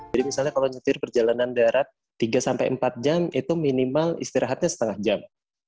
jadi misalnya kalau nyetir perjalanan darat tiga empat jam itu minimal istirahatnya setengah jam